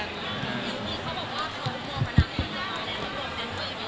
พี่กิ๊กเขาบอกว่าเขาควบความประนับให้เรา